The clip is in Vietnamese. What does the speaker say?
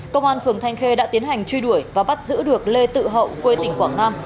công an phường thanh khê đã tiến hành truy đuổi và bắt giữ được lê tự hậu quê tỉnh quảng nam